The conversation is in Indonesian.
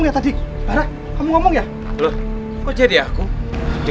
gak punya mata ya